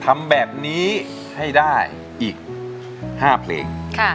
ทำแบบนี้ให้ได้อีก๕เพลง